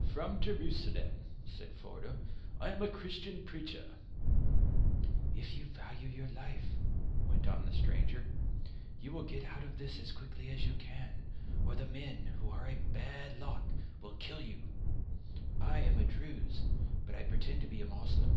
"From Jerusalem," said Forder. "I am a Christian preacher." "If you value your life," went on the stranger, "you will get out of this as quickly as you can, or the men, who are a bad lot, will kill you. I am a Druze but I pretend to be a Moslem."